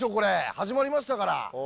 始まりましたから。